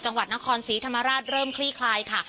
จังหวัดนครศรีธรรมราชเริ่มคลี่คลายค่ะ